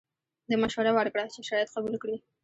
ده مشوره ورکړه چې شرایط قبول کړي.